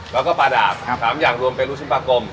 แล้วก็ปลาดาบ๓อย่างรวมเป็นลูกชิ้นปลากลม